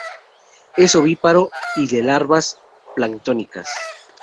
Es ovíparo y de larvas planctónicas.